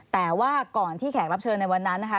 แต่ว่าก่อนที่แขกรับเชิญในวันนั้นนะคะ